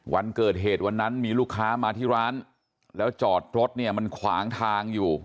วันเกิดเหตุวันนั้นมีลูกค้ามาที่ร้านแล้วจอดรถเนี่ยมันขวางทางอยู่